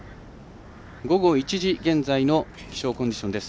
午後１時現在の気象コンディションです。